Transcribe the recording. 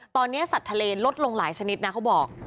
ตอนนี้สัตว์ทะเลลดลงหลายชนิดนะเขาบอก